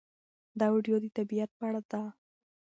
دا ویډیو د طبیعت په اړه ده.